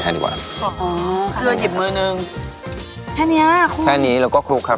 ดีกว่าอ๋อเพื่อหยิบมือหนึ่งแค่เนี้ยคลุกแค่นี้แล้วก็คลุกครับ